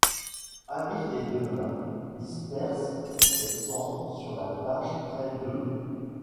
Annie et Devin dispersent ses cendres sur la plage près de '.